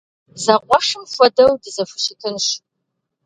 Зэкъуэшым хуэдэу дызэхущытынщ.